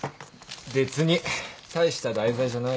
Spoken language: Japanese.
別に大した題材じゃないよ。